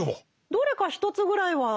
どれか１つぐらいは？